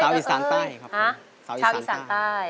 สาวอีสานต้ายครับผมสาวอีสานต้าย